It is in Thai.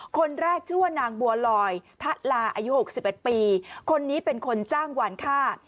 คนแรกชื่อว่านางบัวลอยทะลาอายุ๖๑ปีคนนี้เป็นคนจ้างหวานฆ่า